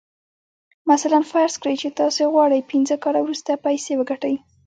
مثلاً فرض کړئ چې تاسې غواړئ پينځه کاله وروسته پيسې وګټئ.